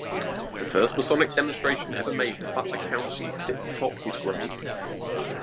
The first Masonic demonstration ever made in Butler County sits atop his grave.